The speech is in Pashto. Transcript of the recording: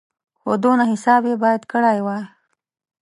خو دونه حساب یې باید کړی وای.